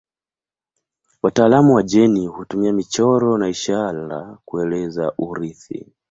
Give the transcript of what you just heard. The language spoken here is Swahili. Wataalamu wa jeni hutumia michoro na ishara kueleza urithi.